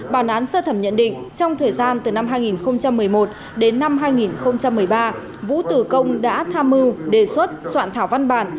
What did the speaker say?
bản án sơ thẩm nhận định trong thời gian từ năm hai nghìn một mươi một đến năm hai nghìn một mươi ba vũ tử công đã tham mưu đề xuất soạn thảo văn bản